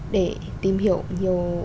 để tìm hiểu nhiều